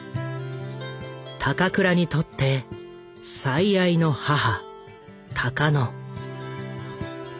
高倉にとって最愛の母タカノ。